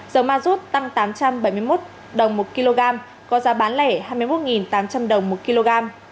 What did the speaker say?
dầu ma rút tăng tám trăm bảy mươi một đồng một kg có giá bán lẻ hai mươi một tám trăm linh đồng một kg